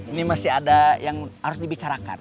ini masih ada yang harus dibicarakan